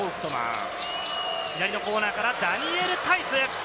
左のコーナーからダニエル・タイス。